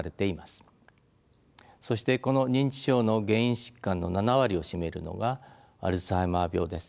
そしてこの認知症の原因疾患の７割を占めるのがアルツハイマー病です。